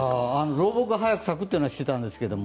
老木は早く咲くというのは知ってたんですけど。